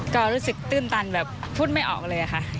ก็รู้สึกตื้นตันแบบพูดไม่ออกเลยค่ะ